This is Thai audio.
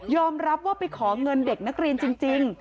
รับว่าไปขอเงินเด็กนักเรียนจริง